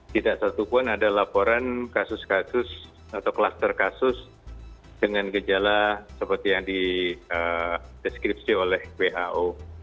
tidak satupun ada laporan kasus kasus atau kluster kasus dengan gejala seperti yang dideskripsi oleh who